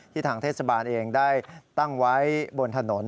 ทางเทศบาลเองได้ตั้งไว้บนถนน